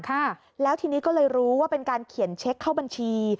ค่ะแล้วทีนี้ก็เลยรู้ว่าเป็นการเขียนเช็คเข้าบัญชี